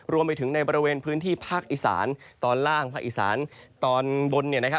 รวมไปถึงในบริเวณพื้นที่ภาคอีสานตอนล่างภาคอีสานตอนบน